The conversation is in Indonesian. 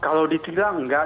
kalau ditilang nggak